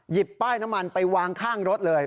ป้ายน้ำมันไปวางข้างรถเลย